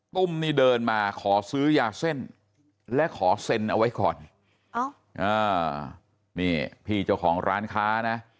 ตุ้มนี่เดินมาขอซื้อยาเส้นและขอเซ็นเอาไว้ก่อนนี่พี่เจ้าของร้านค้านะ